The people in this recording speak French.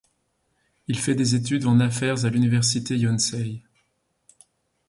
Il fait des études en affaires à l'université Yonsei.